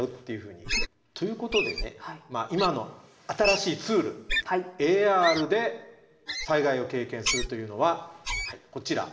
今の新しいツールＡＲで災害を経験するというのはこちら。